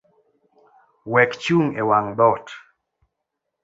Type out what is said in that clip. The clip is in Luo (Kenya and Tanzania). Wekchung’ ewang’ dhoot.